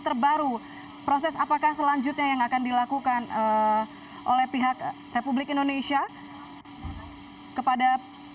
terbaru proses apakah selanjutnya yang akan dilakukan oleh pihak republik indonesia kepada